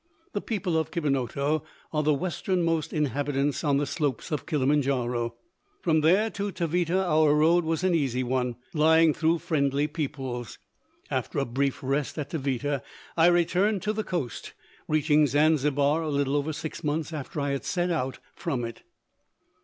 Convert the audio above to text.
The people of Kibonoto are the westernmost inhabitants on the slopes of Kilimanjaro. From there to Taveta our road was an easy one, lying through friendly peoples. After a brief rest at Taveta, I returned to the coast, reaching Zanzibar a little over six months after I had set out from it.